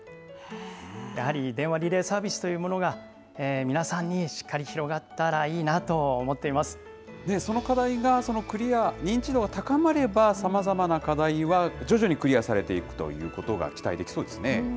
やはり電話リレーサービスというものが皆さんにしっかり広がったその課題がクリア、認知度が高まれば、さまざまな課題は徐々にクリアされていくということが期待できそうですね。